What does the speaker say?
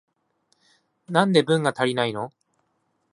なんで文が足りないの？